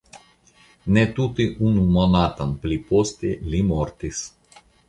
Ne tute unu monaton pli poste li mortis.